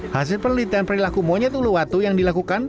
hasil penelitian perilaku monyet uluwatu yang dilakukan